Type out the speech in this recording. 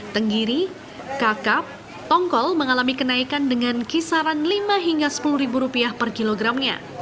tenggiri kakap tongkol mengalami kenaikan dengan kisaran lima hingga sepuluh ribu rupiah per kilogramnya